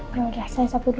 kalau udah saya sapu dulu